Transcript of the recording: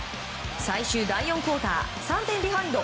最終第４クオーター３点ビハインド。